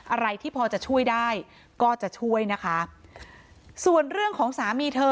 อะไรที่พอจะช่วยได้ก็จะช่วยนะคะส่วนเรื่องของสามีเธอ